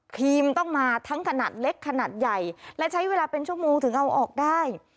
ครีมต้องมาทั้งขนาดเล็กขนาดใหญ่และใช้เวลาเป็นชั่วโมงถึงเอาออกได้